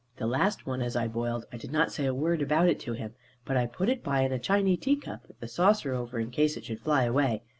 The last one as I boiled, I did not say a word about it to him, but I put it by in a chiney teacup, with the saucer over, in case it should fly away.